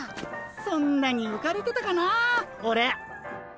そんなにうかれてたかなあオレ。